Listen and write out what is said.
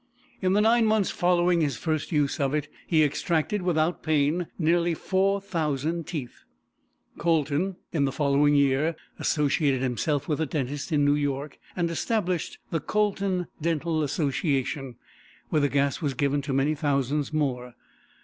In the nine months following his first use of it, he extracted without pain nearly 4,000 teeth. Colton, in the following year, associated himself with a dentist in New York and established the Colton Dental Association, where the gas was given to many thousands more.